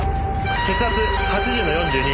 血圧８０の４２。